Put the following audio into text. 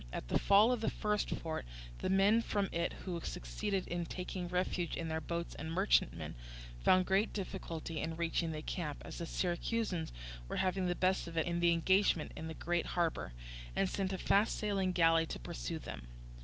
At the fall of the first fort, the men from it who succeeded in taking refuge in their boats and merchantmen, found great difficulty in reaching the camp, as the Syracusans were having the best of it in the engagement in the great harbour, and sent a fast sailing galley to pursue them.